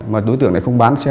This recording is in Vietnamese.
mà đối tượng lại không bán xe